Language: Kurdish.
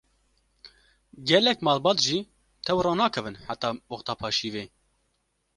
Gelek malbat jî tew ranakevin heta wexta paşîvê.